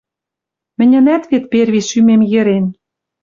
Мӹньӹнӓт вет перви шӱмем йӹрен.